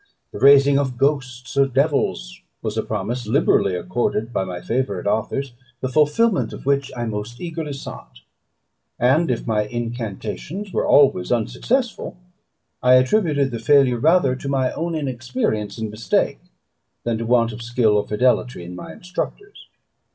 The raising of ghosts or devils was a promise liberally accorded by my favourite authors, the fulfilment of which I most eagerly sought; and if my incantations were always unsuccessful, I attributed the failure rather to my own inexperience and mistake, than to a want of skill or fidelity in my instructors.